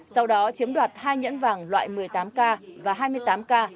sau đó chiếm đoạt hai nhẫn vàng loại một mươi tám k và hai mươi tám k